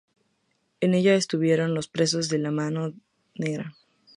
En ella estuvieron los presos de la Mano Negra.